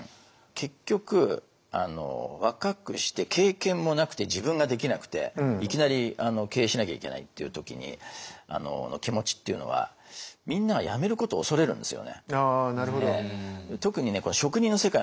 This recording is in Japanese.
結局若くして経験もなくて自分ができなくていきなり経営しなきゃいけないっていう時の気持ちっていうのはって私は想像してます。